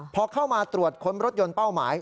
พอเข้ามาตรวจค้นรถยนต์เป้าหมาย